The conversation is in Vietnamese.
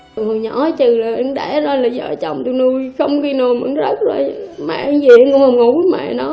thương cháu mà trừ con thì vô tình thôi